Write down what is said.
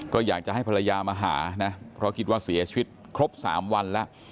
ก็อยากจะให้ภรรยามาหานะเพราะคิดว่าเสียชีวิตครบ๓วันแล้ว